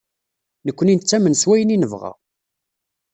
Nekni nettamen s wayen i nebɣa.